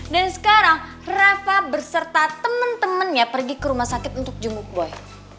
dan sekarang reva berserta temen temennya pergi ke rumah sakit untuk jemput boy